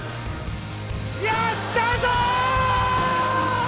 やったぞ！